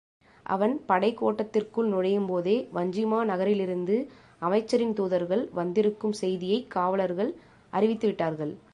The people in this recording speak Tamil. அவன் படைக் கோட்டத்திற்குள் நுழையும் போதே வஞ்சிமா நகரிலிருந்து அமைச்சரின் தூதர்கள் வந்திருக்கும் செய்தியைக் காவலர்கள் அறிவித்து விட்டார்கள்.